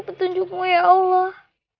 bentunjukmu ya allah